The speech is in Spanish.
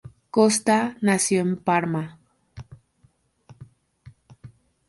Costa nació en Parma.